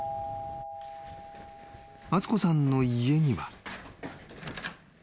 ［敦子さんの家には］